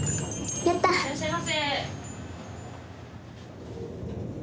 ・いらっしゃいませ。